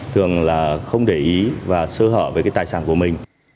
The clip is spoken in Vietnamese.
thường là không để ý và sơ hở về cái tài sản của mình